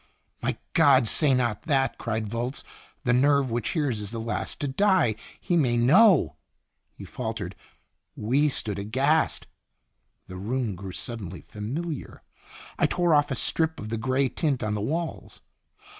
"My God! say not that!" cried Volz. " The nerve which hears is last to die. He may know " He faltered. We stood aghast. The room grew suddenly familiar. I tore off a strip of the gray tint on the walls.